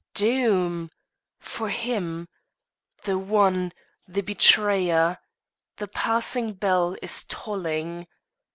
doom! For him the one the betrayer the passing bell is tolling.